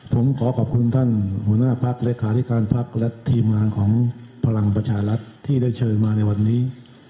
ผมขอขอบคุณท่านหัวหน้าพักเลขาธิการพักและทีมงานของพลังประชารัฐที่ได้เชิญมาในวันนี้